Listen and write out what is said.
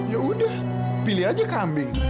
ya udah pilih aja kambing